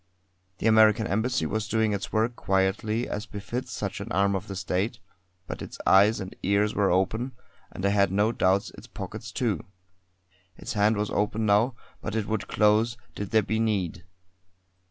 The American Embassy was doing its work quietly as befits such an arm of the State; but its eyes and ears were open, and I had no doubts its pockets, too. Its hand was open now; but it would close, did there be need.